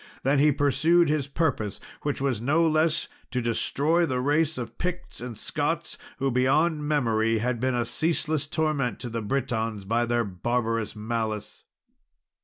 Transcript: Then he pursued his purpose, which was no less to destroy the race of Picts and Scots, who, beyond memory, had been a ceaseless torment to the Britons by their barbarous malice.